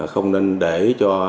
không nên để cho